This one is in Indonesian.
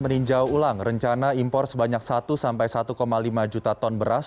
meninjau ulang rencana impor sebanyak satu sampai satu lima juta ton beras